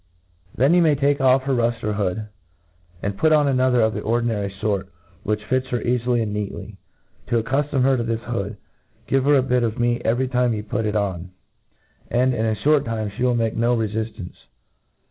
Then you may take off" her ruftcr hopd, and put on another of the ordinary fort, which fits her eafily and neatly. To accuftom her to this hood, give her a bit of meat <;very time you put it on, and,.in aihort time, fl^e will make no refiftance.